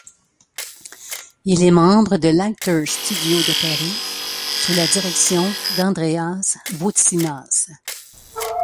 Il est membre de l’Actors Studio de Paris sous la direction d’Andréas Voutsinas.